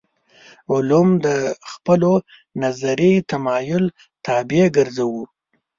علوم د خپلو نظري تمایل طابع ګرځوو.